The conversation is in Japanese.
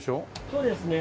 そうですね。